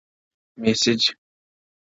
ميسج ـ